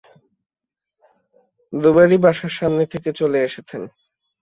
দুবারই বাসার সামনে থেকে চলে এসেছেন।